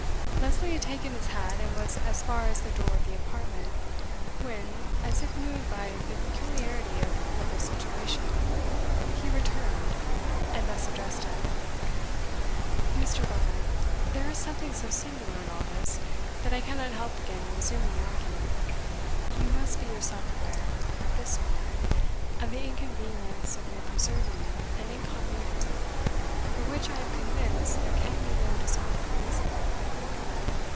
Lesley had taken his hat, and was as far as the door of the apartment, when, as if moved by the peculiarity of Lovel's situation, he returned, and thus addressed him: "Mr. Lovel, there is something so singular in all this, that I cannot help again resuming the argument. You must be yourself aware at this moment of the inconvenience of your preserving an incognito, for which, I am convinced, there can be no dishonourable reason.